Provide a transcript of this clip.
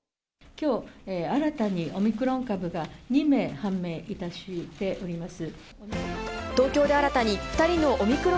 きょう、新たにオミクロン株が２名、判明いたしております。